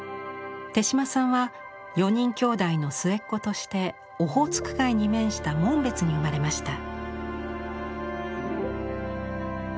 手島さんは四人兄妹の末っ子としてオホーツク海に面した紋別に生まれました。